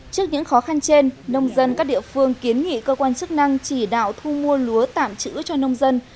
trước những khó khăn trên nông dân các địa phương kiến nghị cơ quan chức năng chỉ đạo thu mua lúa tạm chữ cho nông dân